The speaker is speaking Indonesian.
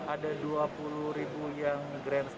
ada dua puluh yang grandstand